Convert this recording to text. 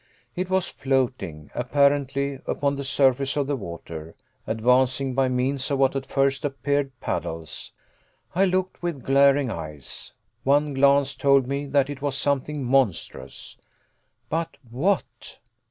It was floating, apparently, upon the surface of the water, advancing by means of what at first appeared paddles. I looked with glaring eyes. One glance told me that it was something monstrous. But what?